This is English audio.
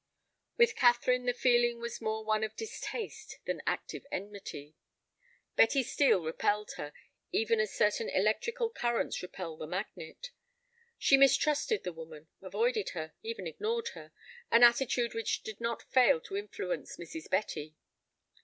With Catherine the feeling was more one of distaste than active enmity. Betty Steel repelled her, even as certain electrical currents repel the magnet. She mistrusted the woman, avoided her, even ignored her, an attitude which did not fail to influence Mrs. Betty.